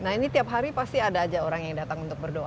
nah ini tiap hari pasti ada aja orang yang dapat doa